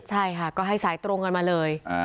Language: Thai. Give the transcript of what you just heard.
ใช่ค่ะก็ให้สายตรงกันมาเลย